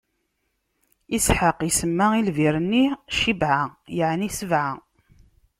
Isḥaq isemma i lbir-nni: Cibɛa, yeɛni Sebɛa.